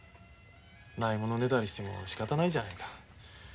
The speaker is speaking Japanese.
ないものねだりしてもしかたないじゃないか。